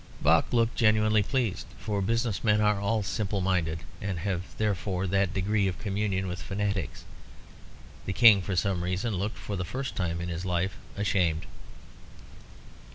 Buck looked genuinely pleased, for business men are all simple minded, and have therefore that degree of communion with fanatics. The King, for some reason, looked, for the first time in his life, ashamed.